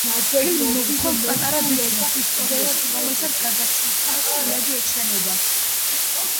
ფილმი მოგვითხრობს პატარა ბიჭუნას ისტორიას, რომელსაც გარდაცვლილთა სულები ეჩვენება.